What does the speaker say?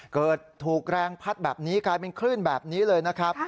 เกิดถูกแรงพัดแบบนี้กลายเป็นคลื่นแบบนี้เลยนะครับ